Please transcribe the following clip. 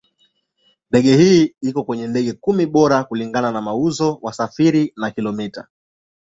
Ndege hii iko kwenye ndege kumi bora kulingana na mauzo, wasafiri na kilomita.